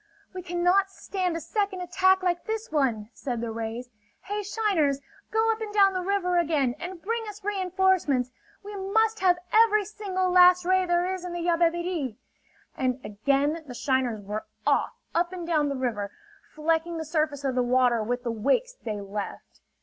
"We cannot stand a second attack like this one," said the rays. "Hey, shiners! Go up and down the river again, and bring us reenforcements! We must have every single last ray there is in the Yabebirì!" And again the shiners were off up and down the river, flecking the surface of the water with the wakes they left.